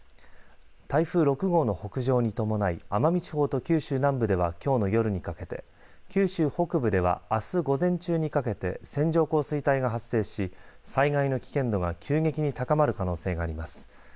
台風６号の北上に伴い奄美地方と九州南部ではきょうの夜にかけて九州北部ではあす午前中にかけて線状降水帯が発生し災害の危険度が急激に高まる可能性があります。